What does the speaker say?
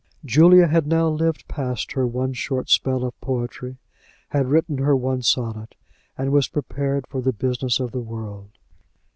Julia had now lived past her one short spell of poetry, had written her one sonnet, and was prepared for the business of the world.